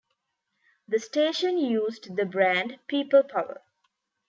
The station used the brand "People Power".